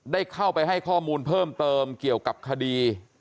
ได้เข้าไปให้ข้อมูลเพิ่มเติมเกี่ยวกับคดี